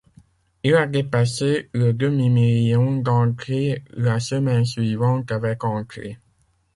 Il a dépassé le demi-million d'entrées la semaine suivante avec entrées.